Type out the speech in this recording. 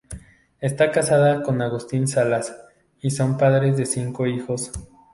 Está casada con Agustín Salas y son padres de cinco hijos.